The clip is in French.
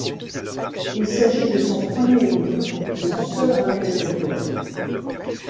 Il s'agit de son premier livre et son seul recueil de poèmes.